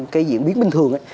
cái diễn biến bình thường